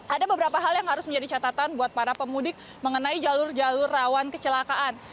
ada beberapa hal yang harus menjadi catatan buat para pemudik mengenai jalur jalur rawan kecelakaan